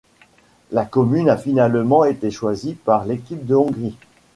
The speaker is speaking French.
La commune a finalement été choisie par l'équipe de Hongrie.